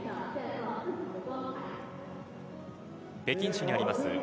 北京市にあります